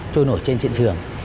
trôi nổi trên trận trường